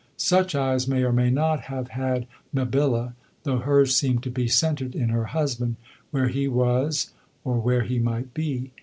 Such eyes may or may not have had Mabilla, though hers seemed to be centred in her husband, where he was or where he might be.